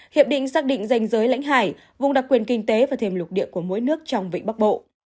hiệp định xác định danh giới lãnh hải vùng đặc quyền kinh tế và thềm lục địa của mỗi nước trong vịnh bắc bộ